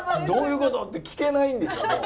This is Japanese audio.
どういうことって聞けないんですよ。